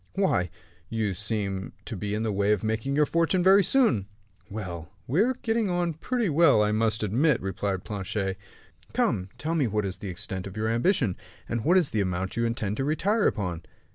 "Why, you seem to be in the way of making your fortune very soon." "Well, we are getting on pretty well, I must admit," replied Planchet. "Come, tell me what is the extent of your ambition, and what is the amount you intend to retire upon?"